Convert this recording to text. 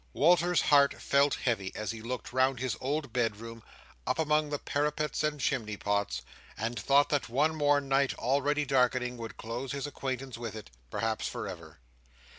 Walter's heart felt heavy as he looked round his old bedroom, up among the parapets and chimney pots, and thought that one more night already darkening would close his acquaintance with it, perhaps for ever.